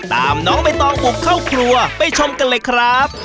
น้องใบตองบุกเข้าครัวไปชมกันเลยครับ